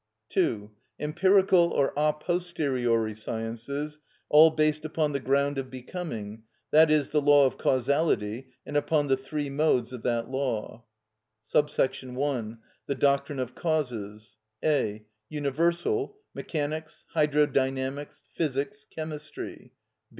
II. Empirical or a posteriori Sciences. All based upon the ground of becoming, i.e., the law of causality, and upon the three modes of that law. 1. The doctrine of causes. (a.) Universal: Mechanics, Hydrodynamics, Physics, Chemistry.